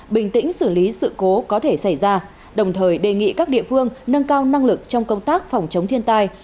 bình tĩnh xử lý sự cố có thể xảy ra đồng thời đề nghị các địa phương nâng cao năng lực trong công tác phòng chống thiên tai